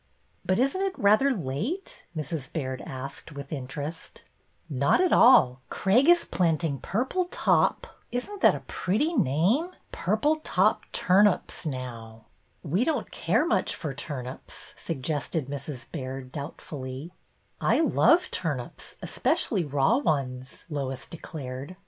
" But is n't it rather late? " Mrs. Baird asked, with interest. A NEW SCHEME 87 " Not at all. Craig is planting purple top — isn't that a pretty name? — purple top turnips now/' ''We don't care much for turnips," suggested Mrs. Baird, doubtfully. " I love turnips, especially raw ones," Lois declared.